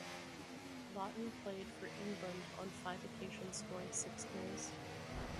Vaughton played for England on five occasions, scoring six goals.